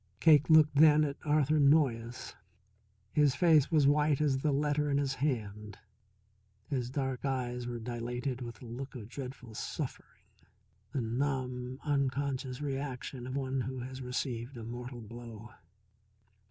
Cake looked then at Arthur Noyes. His face was white as the letter in his hand, his dark eyes were dilated with a look of dreadful suffering, the numb, unconscious reaction of one who has received a mortal blow.